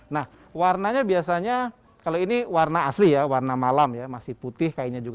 nah warnanya biasanya kalau ini warna asli ya warna malam ya masih putih kainnya juga